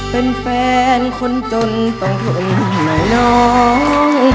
เป็นแฟนคนจนต้องทนหน่อยน้อง